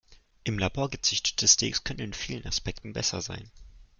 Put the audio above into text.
Im Labor gezüchtete Steaks könnten in vielen Aspekten besser sein.